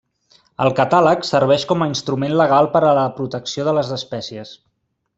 El catàleg serveix com a instrument legal per a la protecció de les espècies.